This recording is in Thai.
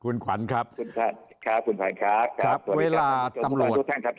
คุณน้ำแข็งแล้วก็ใครอีกคนนะคุณขวัญครับ